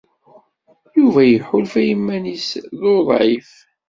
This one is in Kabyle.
Yuba iḥulfa i yiman-nnes d uḍɛif.